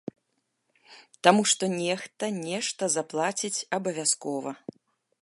Таму што нехта нешта заплаціць абавязкова.